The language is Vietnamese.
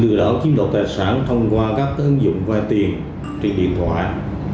lừa đảo chiếm đạt tài sản thông qua các ứng dụng vay tiền trên điện thoại